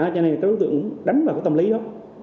cho nên các đối tượng đánh vào tâm lý đó